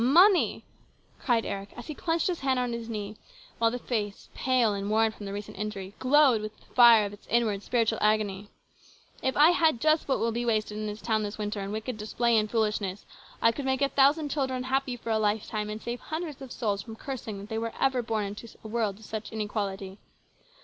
Money !" cried Eric, as he clenched his hand on his knee, while the face, pale and worn from the recent injury, glowed with the fire of its inward spiritual agony, " if I had just what will be wasted in this town this winter in wicked display and foolishness, I could make a thousand children happy for a lifetime and save hundreds of souls from cursing that they were ever born into a world of such inequality.